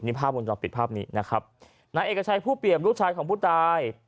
ภาพวงจรปิดภาพนี้นะครับนายเอกชัยผู้เปี่ยมลูกชายของผู้ตาย